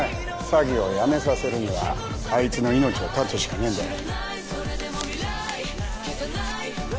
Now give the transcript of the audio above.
詐欺をやめさせるにはあいつの命を絶つしかねえんだよ